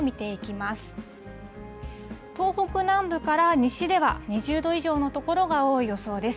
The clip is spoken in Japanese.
東北南部から西では、２０度以上の所が多い予想です。